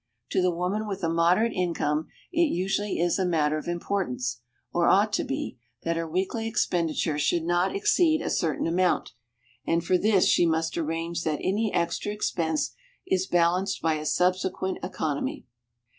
To the woman with a moderate income it usually is a matter of importance, or ought to be, that her weekly expenditure should not exceed a certain amount, and for this she must arrange that any extra expense is balanced by a subsequent economy.